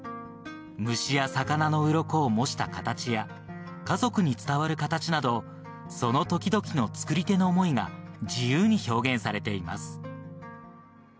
虫や魚のうろこを模した形や、家族に伝わる形など、その時々の作り手の想いが自由に表現されています。